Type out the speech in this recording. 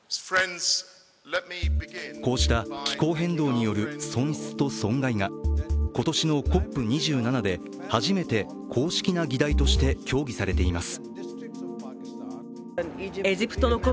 こうした気候変動による損失と損害が今年のＣＯＰ２７で初めて公式な議題として協議されています。